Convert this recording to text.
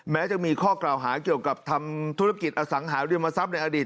แม้จะมีข้อกล่าวหาเกี่ยวกับทำธุรกิจอสังหาริมทรัพย์ในอดีต